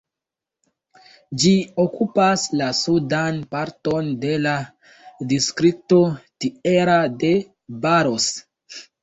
Ĝi okupas la sudan parton de la distrikto Tierra de Barros.